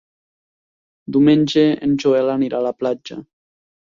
Diumenge en Joel anirà a la platja.